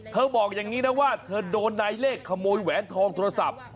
บอกอย่างนี้นะว่าเธอโดนนายเลขขโมยแหวนทองโทรศัพท์